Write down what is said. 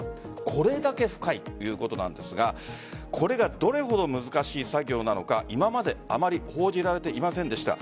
これだけ深いということなんですがこれがどれほど難しい作業なのか今まであまり報じられていませんでした。